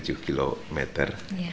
sekitar tujuh km